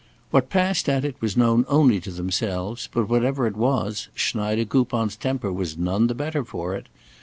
What passed at it was known only to themselves, but, whatever it was, Schneidekoupon's temper was none the better for it.